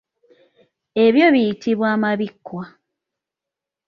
Ebyo biyitibwa amabikwa.